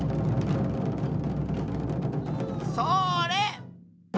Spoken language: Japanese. それ！